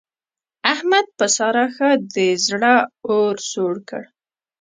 احمد په سارا ښه د زړه اور سوړ کړ.